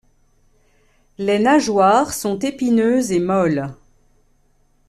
Les nageoires sont épineuses et molles.